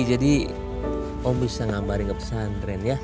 jadi ibu bisa ngambarin ke pesantren ya